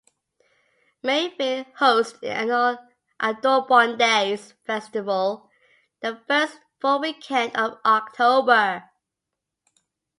Mayville hosts an annual "Audubon Days" festival the first full weekend of October.